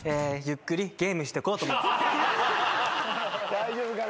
大丈夫かな。